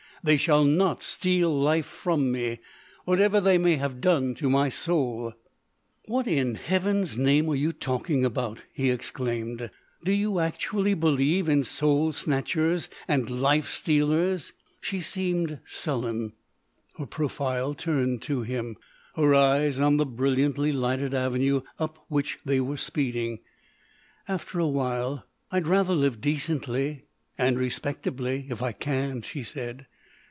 They shall not steal life from me, whatever they have done to my soul——" "What in heaven's name are you talking about?" he exclaimed. "Do you actually believe in soul snatchers and life stealers?" She seemed sullen, her profile turned to him, her eyes on the brilliantly lighted avenue up which they were speeding. After a while: "I'd rather live decently and respectably if I can," she said.